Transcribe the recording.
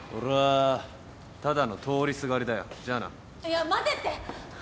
いや待てって！